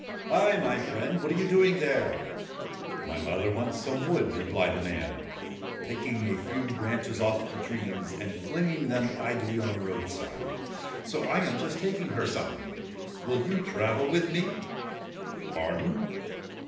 ' Hi ! my friend ! What are you doing there ?'' My mother wants some wood,' replied the man, picking a few branches off the trees and flinging them idly on the roadside, ' so I am just taking her some.' ' Will you travel with me ?' 'Pardon?'